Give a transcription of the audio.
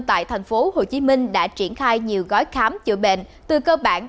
tại thành phố hồ chí minh đã triển khai nhiều gói khám chữa bệnh từ cơ bản